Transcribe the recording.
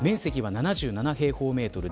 面積は７７平方メートル。